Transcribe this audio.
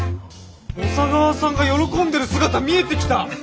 小佐川さんが喜んでる姿見えてきた。